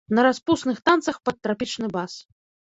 На распусных танцах пад трапічны бас.